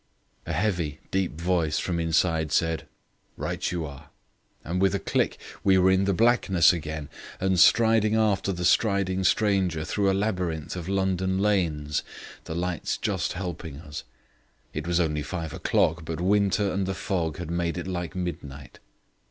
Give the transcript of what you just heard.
A heavy, deep voice from inside said: "Right you are." And with a click we were in the blackness again, and striding after the striding stranger through a labyrinth of London lanes, the lights just helping us. It was only five o'clock, but winter and the fog had made it like midnight.